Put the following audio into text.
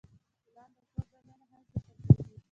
ګلان د کور دننه هم ساتل کیږي.